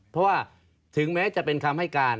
เพราะว่าถึงแม้จะเป็นคำให้การ